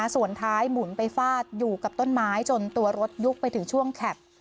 ส่วนท้ายหมุนไปฟาดอยู่กับต้นไม้จนตัวรถยุบไปถึงช่วงแข็บ